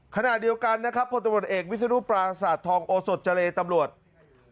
ขณะเดียวกันนะครับพลตำรวจเอกวิศนุปรางสาดทองโอสดเจรตำรวจ